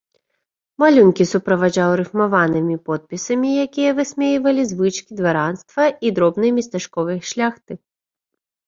Малюнкі суправаджаў рыфмаваным подпісамі, якія высмейвалі звычкі дваранства і дробнай местачковай шляхты.